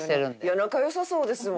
仲良さそうですもん。